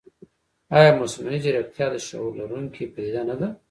ایا مصنوعي ځیرکتیا د شعور لرونکې پدیده نه ده؟